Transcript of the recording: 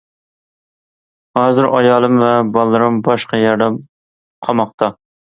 ھازىر ئايالىم ۋە بالىلىرىم باشقا يەردە قاماقتا.